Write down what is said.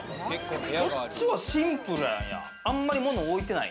こっちはシンプルなんや。